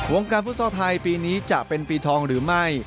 การฟุตซอลไทยปีนี้จะเป็นปีทองหรือไม่